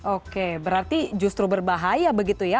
oke berarti justru berbahaya begitu ya